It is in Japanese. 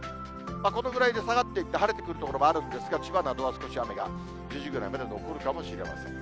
このぐらいで下がっていって、晴れてくる所もあるんですが、千葉などは少し雨が、９時ぐらいまで残るかもしれません。